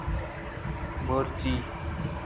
بورچی